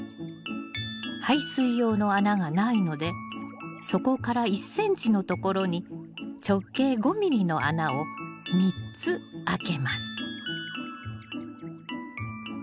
排水用の穴がないので底から１ｃｍのところに直径５ｍｍの穴を３つ開けます。